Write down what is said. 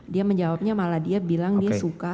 dia menjawabnya malah dia bilang dia suka